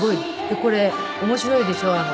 これ面白いでしょ。